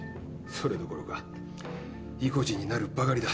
それどころかいこじになるばかりだ。